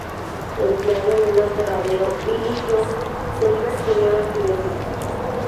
Empleado en un aserradero, Billy Joe Shaver tiene un accidente.